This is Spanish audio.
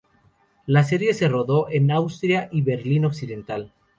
La serie se rodó en Austria y Berlín Occidental.